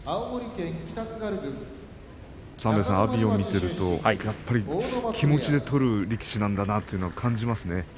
阿炎を見ていると気持ちで取る力士なんだなという感じがします。